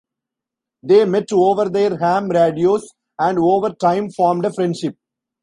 They met over their ham radios, and over time formed a friendship.